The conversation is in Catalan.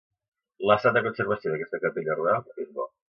L'estat de conservació d'aquesta capella rural és bo.